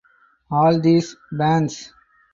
All these bands!